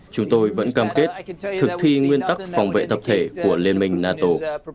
chúng tôi vẫn cam kết thực thi nguyên tắc phòng vệ tập thể của liên minh nato